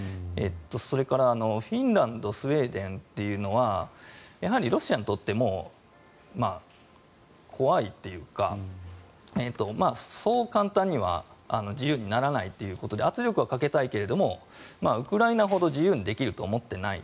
それから、フィンランドスウェーデンというのはやはりロシアにとっても怖いというかそう簡単には自由にならないということで圧力はかけたいけどウクライナほど自由になるとは思っていない。